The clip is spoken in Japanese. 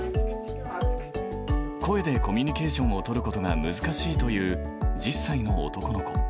声でコミュニケーションを取ることが難しいという１０歳の男の子。